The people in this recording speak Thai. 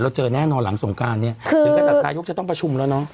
เจอแน่นอนหลังสงการเนี่ยถึงขนาดนายกจะต้องประชุมแล้วเนาะ